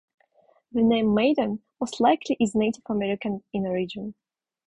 The name "Maiden" most likely is Native American in origin.